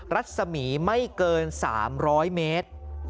รัศมีร์ไม่เกิน๓๐๐เมตร